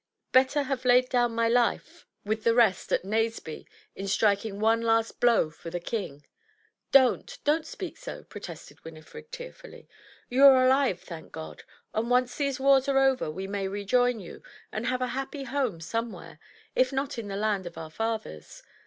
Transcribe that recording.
Better have laid down my life 320 THE TREASURE CHEST with the rest at Naseby, in striking one last blow for the king." "Don't, don't speak so!'' protested Winifred, tearfully. "You are alive, thank God; and once these wars are over we may rejoin you, and have a happy home somewhere, if not in the land of our fathers.